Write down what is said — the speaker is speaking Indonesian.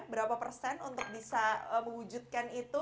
berapa persen untuk bisa mewujudkan itu